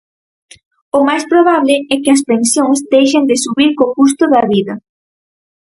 O máis probable é que as pensións deixen de subir co custo da vida.